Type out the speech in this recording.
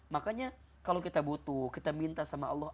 makanya kalau kita butuh kita minta sama allah